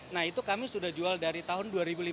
nah itu kami sudah jual dari tahun dua ribu lima belas